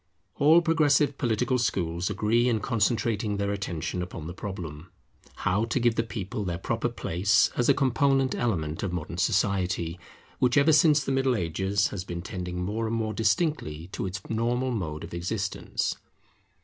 All progressive political schools agree in concentrating their attention upon the problem, How to give the people their proper place as a component element of modern Society, which ever since the Middle Ages has been tending more and more distinctly to its normal mode of existence.